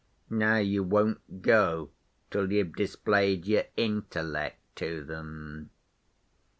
Now you won't go till you've displayed your intellect to them."